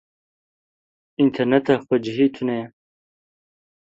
Înterneta xwecihî tune ye.